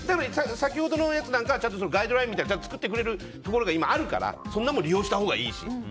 先ほどのところはガイドラインをちゃんと作ってくれるところもあるからそんなもん利用したほうがいいし。